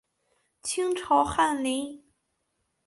清朝翰林。